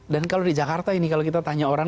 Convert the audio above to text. dan kalau di jakarta ini kalau kita tanya orang